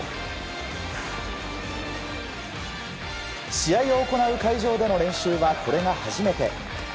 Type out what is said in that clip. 試合を行う会場での練習はこれが初めて。